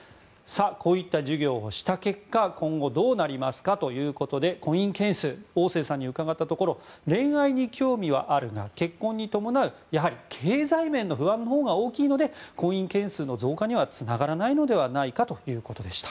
こういった授業をした結果今後、どうなるかということで婚姻件数オウ・セイさんに伺ったところ恋愛に興味はあるが結婚に伴う経済面の不安が大きいので婚姻件数のつながらないのではないかということでした。